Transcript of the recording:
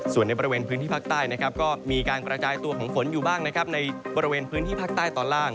ส่วนในบริเวณพื้นที่ภาคใต้นะครับก็มีการกระจายตัวของฝนอยู่บ้างนะครับในบริเวณพื้นที่ภาคใต้ตอนล่าง